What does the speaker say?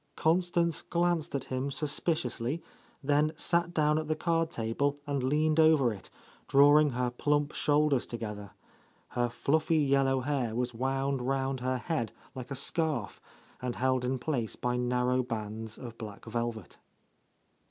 Constance glanced at him suspiciously, then sat down at the card table and leaned over it, drawing her plump shoulders together. Her fluffy yellow hair was wound round her head like a scarf and held in place by narrow bands of black velvet.